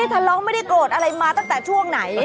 ทะเลาะไม่ได้โกรธอะไรมาตั้งแต่ช่วงไหน